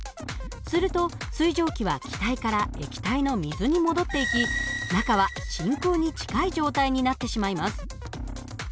すると水蒸気は気体から液体の水に戻っていき中は真空に近い状態になってしまいます。